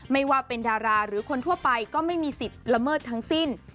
ไม่ว่าเป็นดาราหรือคนทั่วไปก็ไม่มีสิทธิ์ละเมิดทั้งสิ้น